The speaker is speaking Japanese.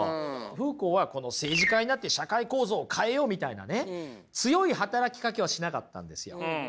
フーコーは政治家になって社会構造を変えようみたいなね強い働きかけはしなかったんですよ。